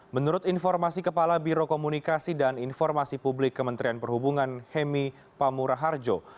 menurut informasi kepala biro komunikasi dan informasi publik kementerian perhubungan hemi pamuraharjo